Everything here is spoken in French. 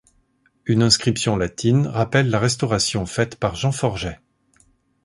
Une inscription latine rappelle la restauration faite par Jean Forget.